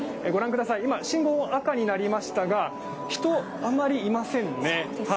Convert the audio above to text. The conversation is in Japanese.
ご覧ください、今、信号、赤になりましたが人、あんまりいませんね。